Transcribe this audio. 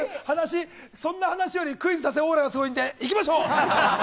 そんな話よりクイズ出せオーラがすごいんでいきましょう！